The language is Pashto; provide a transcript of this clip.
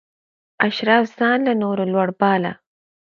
اشراف ځان له نورو لوړ باله.